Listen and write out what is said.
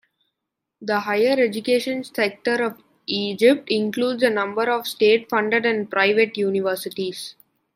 The higher education sector of Egypt includes a number of state-funded and private universities.